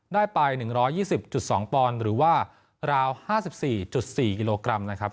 ได้ไป๑๒๐๒ปอนด์หรือว่าราว๕๔๔กิโลกรัมนะครับ